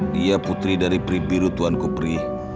dia putri dari pri biru tuanku pri